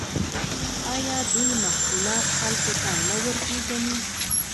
آیا دوی محصولات خلکو ته نه ورپېژني؟